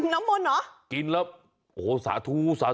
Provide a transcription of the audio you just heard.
น้ำมนต์เหรอกินแล้วสาธุเลยนะ